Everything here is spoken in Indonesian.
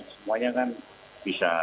semuanya kan bisa